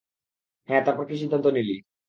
হ্যাঁঁ তারপর কি সিদ্ধান্ত নিলি?